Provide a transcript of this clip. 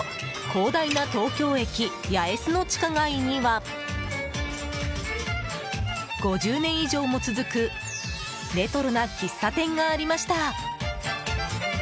広大な東京駅八重洲の地下街には５０年以上も続くレトロな喫茶店がありました。